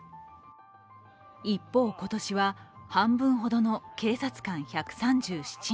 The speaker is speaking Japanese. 一方、今年は半分ほどの警察官１３７人。